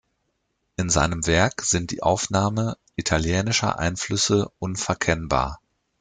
In seinem Werk sind die Aufnahme italienischer Einflüsse unverkennbar.